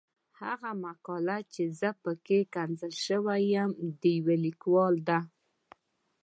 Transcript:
هغه مقاله چې زه پکې ښکنځل شوی یم د يو ليکوال ده.